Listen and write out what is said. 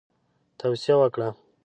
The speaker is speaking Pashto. توصیه وکړه.